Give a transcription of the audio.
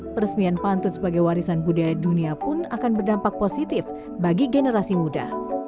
peresmian pantun sebagai warisan budaya dunia pun akan berdampak positif bagi generasi muda